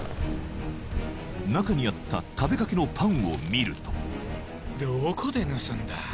中にあった食べかけのパンを見るとどこで盗んだ？